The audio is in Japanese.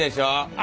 あ！